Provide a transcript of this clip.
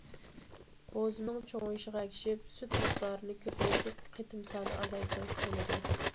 قوزىنىڭ چوڭىيىشىغا ئەگىشىپ سۈت مىقدارىنى كۆپەيتىپ، قېتىم سانى ئازايتىلسا بولىدۇ.